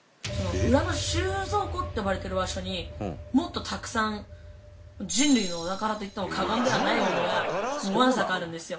裏の収蔵庫って呼ばれてる場所にもっと、たくさん人類のお宝と言っても過言ではないものがわんさかあるんですよ。